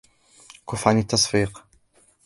كفّ عن التصفيق.